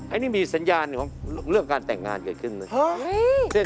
อันนี้มีสัญญาณของเรื่องการแต่งงานเกิดขึ้นไหม